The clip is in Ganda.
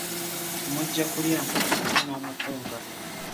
Mujja kulya nkoko wamu n'omupunga.